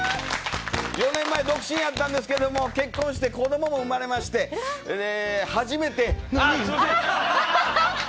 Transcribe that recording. ４年前独身やったんですけど結婚して子どもも生まれまして初めて。